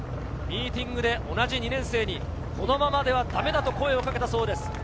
ミーティングで同じ２年生にこのままではだめだと声をかけたそうです。